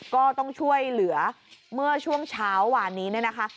ก็ต้องช่วยเหลือเมื่อช่วงเช้าวานนี้เนี่ยนะคะ